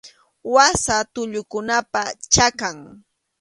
Wasa tullukunapa chakan.